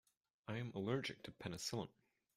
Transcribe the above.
I am allergic to penicillin.